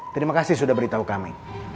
terima kasih sudah beritahu kami